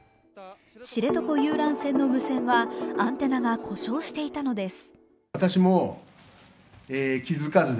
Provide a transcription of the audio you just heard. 知床遊覧船の無線はアンテナが故障していたのです。